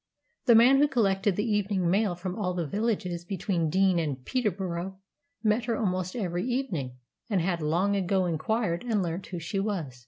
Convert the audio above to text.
The man who collected the evening mail from all the villages between Deene and Peterborough met her almost every evening, and had long ago inquired and learnt who she was.